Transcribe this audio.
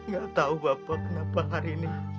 gak tahu bapak kenapa hari ini